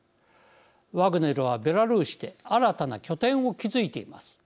ワグネルはベラルーシで新たな拠点を築いています。